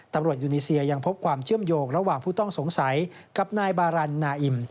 ตำรวจยูนีเซียยังพบความเชื่อมโยงระหว่างผู้ต้องสงสัยกับนายบารันนาอิม